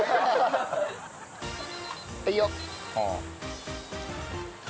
はいよ。